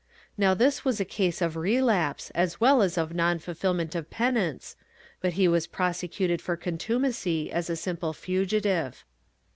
Now this was a case of relapse, as well as of non fulfil ment of penance, but he was prosecuted for contumacy as a simple fugitive.